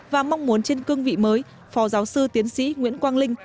và mong muốn trên cương vị mới phó giáo sư tiến sĩ nguyễn quang linh